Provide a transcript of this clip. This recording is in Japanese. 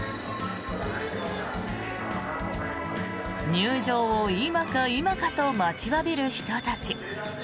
入場を今か今かと待ちわびる人たち。